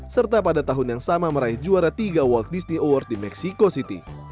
serta pada tahun yang sama meraih juara tiga walt disney award di meksiko city